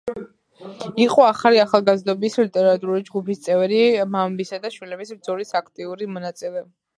იყო „ახალი ახალგაზრდობის“ ლიტერატურული ჯგუფის წევრი, „მამებისა“ და „შვილების“ ბრძოლის აქტიური მონაწილე.